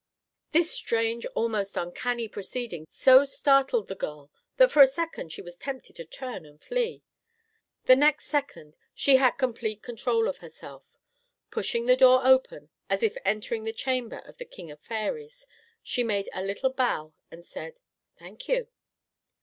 This strange, almost uncanny proceeding so startled the girl that for a second she was tempted to turn and flee. The next second she had complete control of herself. Pushing the door open, as if entering the chamber of the king of fairies, she made a little bow and said: "Thank you."